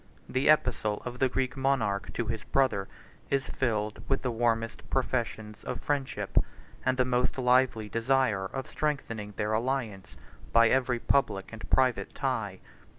The epistle of the Greek monarch 81 to his brother is filled with the warmest professions of friendship, and the most lively desire of strengthening their alliance by every public and private tie.